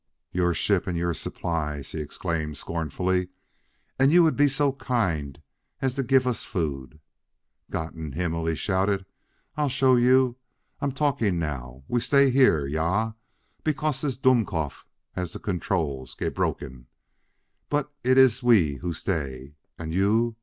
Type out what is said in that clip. "Your ship and your supplies!" he exclaimed scornfully. "And you would be so kind as to giff us food. "Gott im Himmel!" he shouted; "I show you! I am talking now! We stay here ja because this Dummkopf has the controls gebrochen! But it iss we who stay; und you?